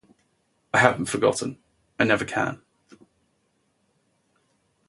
I haven't forgotten, I never can.